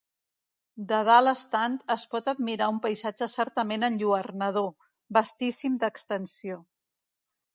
De dalt estant es pot admirar un paisatge certament enlluernador, vastíssim d’extensió.